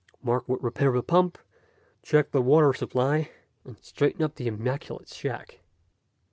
Mark would repair the pump, check the water supply, and straighten up the immaculate shack.